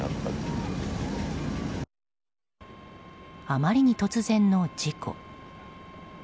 あまりに突然の事故。